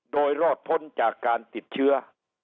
โดยรอดพ้นจากการติดเชื้อ